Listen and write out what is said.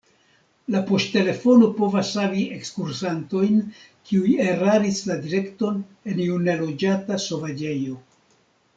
La poŝtelefono povas savi ekskursantojn, kiuj eraris la direkton en iu neloĝata sovaĝejo.